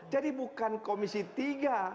jadi bukan komisi tiga